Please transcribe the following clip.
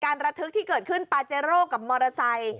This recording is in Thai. ระทึกที่เกิดขึ้นปาเจโร่กับมอเตอร์ไซค์